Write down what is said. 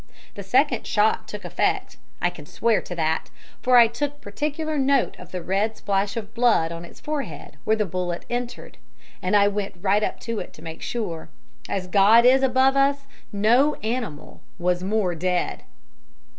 The second shot took effect I can swear to that, for I took particular note of the red splash of blood on its forehead where the bullet entered, and I went right up to it to make sure. As God is above us, no animal was more dead.